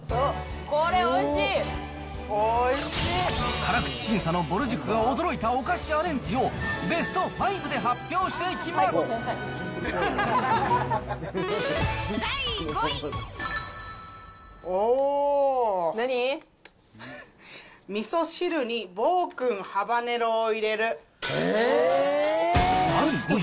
辛口審査のぼる塾が驚いたおかしアレンジを、ベスト５で発表第５位。